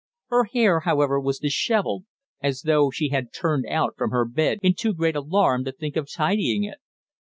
Her hair, however, was dishevelled, as though she had turned out from her bed in too great alarm to think of tidying it.